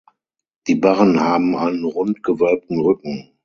Die Barren haben einen rund gewölbten Rücken.